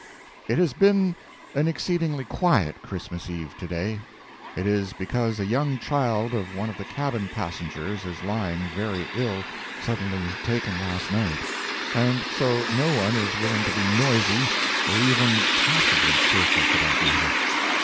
—It has been an exceedingly quiet Christmas Eve, to day. It is because a young child of one of the cabin passengers is lying very ill—suddenly taken last night—and so no one is willing to be noisy, or even passably cheerful, for that matter.